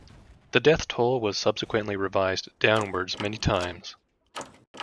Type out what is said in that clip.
The death toll was subsequently revised downwards many times.